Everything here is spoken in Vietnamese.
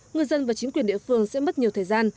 ngư dân và chính quyền địa phương sẽ mất nhiều thời gian